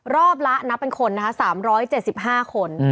รอบละนับเป็นคนนะคะ๓๗๕คน